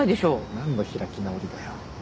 何の開き直りだよ。